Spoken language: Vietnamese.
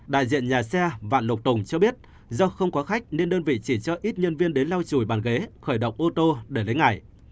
đại diện nhà xe vạn lộc tùng cho biết do không có khách nên đơn vị chỉ cho ít nhân viên đến lau chùi bàn ghế khởi động ô tô để lấy ngày